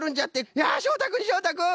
いやしょうたくんしょうたくん！